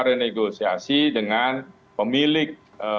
renegosiasi dengan pemilik